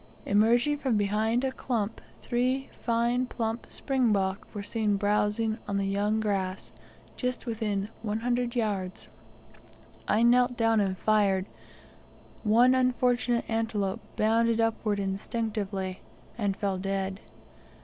Emerging from behind a clump, three fine plump spring bok were seen browsing on the young grass just within one hundred yards. I knelt down and fired; one unfortunate antelope bounded upward instinctively, and fell dead.